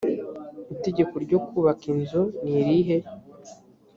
itegeko ryo kubaka inzu nirihe